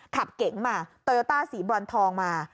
ขับเก๋งมาโตย์โยต้าสีบรรทองมา